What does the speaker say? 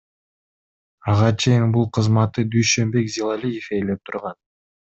Ага чейин бул кызматты Дүйшөнбек Зилалиев ээлеп турган.